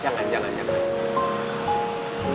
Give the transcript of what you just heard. jangan jangan jangan